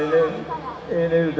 masa enggak dapat jantuan lagi